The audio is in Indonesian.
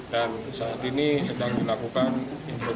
dan saat ini sedang dilakukan informasi